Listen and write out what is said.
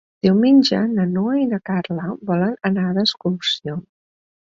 Diumenge na Noa i na Carla volen anar d'excursió.